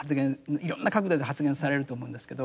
いろんな角度で発言されると思うんですけど。